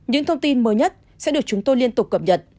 những thông tin mới nhất sẽ được chúng tôi liên tục cập nhật